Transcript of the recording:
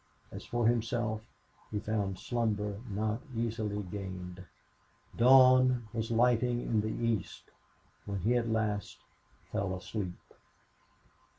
As for himself, he found slumber not easily gained. Dawn was lighting the east when he at last fell asleep.